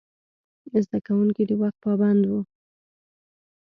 زده کوونکي د وخت پابند وو.